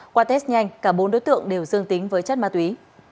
qua test nhanh cả bốn đối tượng đều dương tính với chất ma túy